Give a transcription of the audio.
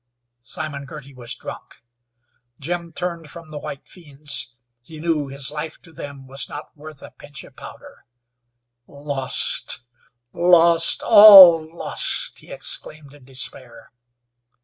Simon Girty was drunk. Jim turned from the white fiends. He knew his life to them was not worth a pinch of powder. "Lost! Lost! All lost!" he exclaimed in despair.